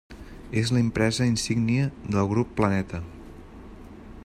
És l'empresa insígnia del Grup Planeta.